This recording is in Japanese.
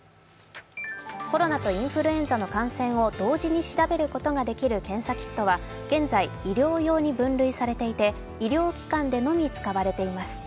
コロナとインフルエンザの感染を同時に調べることができる検査キットは現在医療用に分類されていて医療機関でのみ使用できます。